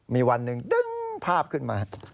มีวันหนึ่งดึงภาพขึ้นมา